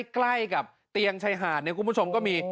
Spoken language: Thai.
ใกล้กับเตียงชายหาดเนี่ยคุณผู้ชมก็มี